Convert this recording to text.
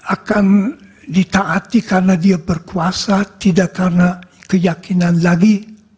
akan ditaati karena dia berkuasa tidak karena keyakinan lagi